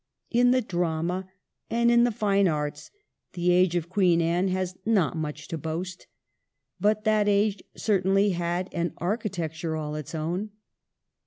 In the drama and in the fine arts the age of Queen Anne has not much to boast. But that age certainly has an architecture all its own.